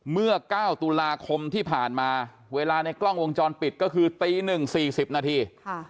เมื่อ๙ตุลาคมที่ผ่านมาเวลาในกล้องวงจรปิดก็คือตี๑๔๐นาที